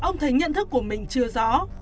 nhận thức của mình chưa rõ